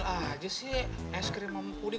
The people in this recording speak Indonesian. gak ada aja sih es krim sama puding